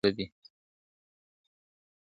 نن که سباوي زموږ ځیني تله دي ,